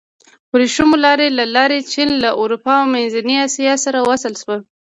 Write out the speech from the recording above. د ورېښمو لارې له لارې چین له اروپا او منځنۍ اسیا سره وصل شو.